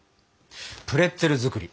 プレッツェル作り。